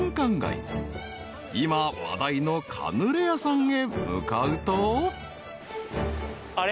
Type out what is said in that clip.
［今話題のカヌレ屋さんへ向かうと］